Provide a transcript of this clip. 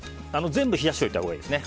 全部冷やしておいたほうがいいですね。